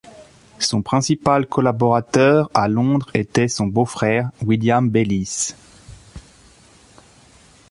Son principal collaborateur à Londres était son beau-frère, William Bayliss.